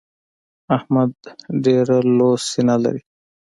احمد ډېره لو سينه لري.